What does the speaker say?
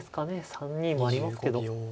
３二もありますけど。